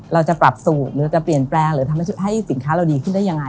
เราจะปรับสูตรหรือจะเปลี่ยนแปลงหรือทำให้สินค้าเราดีขึ้นได้ยังไง